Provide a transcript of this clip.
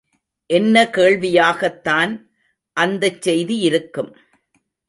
என்ற கேள்வியாகத்தான் அந்தச் செய்தியிருக்கும்!